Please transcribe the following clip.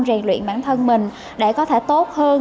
rèn luyện bản thân mình để có thể tốt hơn